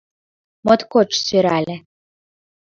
Моткоч сӧрале.